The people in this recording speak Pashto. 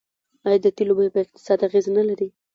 آیا د تیلو بیه په اقتصاد اغیز نلري؟